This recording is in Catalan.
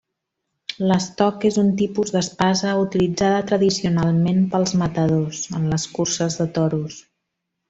L'estoc és un tipus d'espasa utilitzada tradicionalment pels matadors, en les curses de toros.